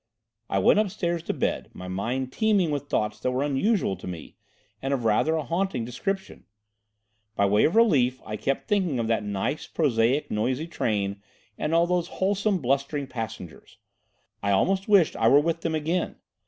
"I went upstairs to bed, my mind teeming with thoughts that were unusual to me, and of rather a haunting description. By way of relief I kept thinking of that nice, prosaic noisy train and all those wholesome, blustering passengers. I almost wished I were with them again.